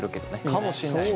かもしんない。